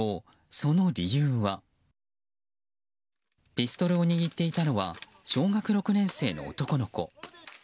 ピストルを握っていたのは小学６年生の男の子。